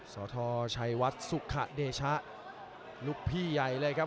สทชัยวัดสุขะเดชะลูกพี่ใหญ่เลยครับ